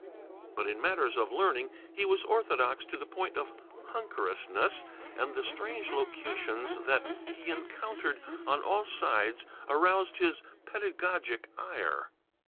But in matters of learning he was orthodox to the point of hunkerousness, and the strange locutions that [Pg038] he encountered on all sides aroused his pedagogic ire.